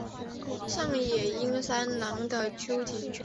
上野英三郎的秋田犬。